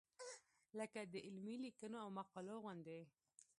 لکه د علمي لیکنو او مقالو غوندې.